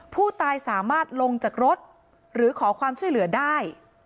ผู้ตายสามารถลงจากรถหรือขอความช่วยเหลือได้